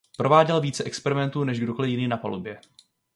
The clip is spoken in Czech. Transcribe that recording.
Prováděl více experimentů než kdokoliv jiný na palubě.